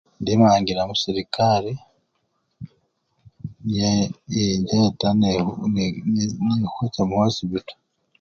Indimangila khuserekari ye! yinjeta ne! ni! nu! nekhucha mukhosipito.